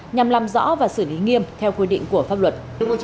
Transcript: nhằm làm rõ và xử lý nghiêm theo quy định của pháp luật